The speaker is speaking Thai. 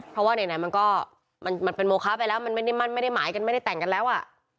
เพราะว่าไหนมันก็มันเป็นโมคะไปแล้วมันไม่ได้มั่นไม่ได้หมายกันไม่ได้แต่งกันแล้วอ่ะ